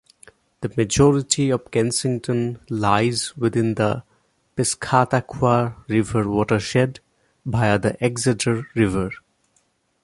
The majority of Kensington lies within the Piscataqua River watershed, via the Exeter River.